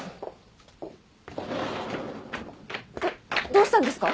どうしたんですか？